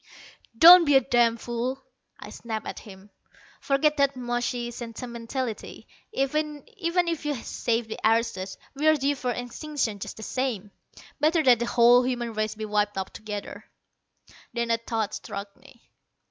"Don't be a damn fool," I snapped at him. "Forget that mushy sentimentality. Even if you save the aristos, we're due for extinction just the same. Better that the whole human race be wiped out together." Then a thought struck me.